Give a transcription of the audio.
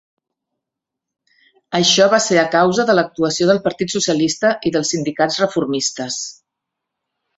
Això va ser a causa de l'actuació del Partit Socialista i dels sindicats reformistes.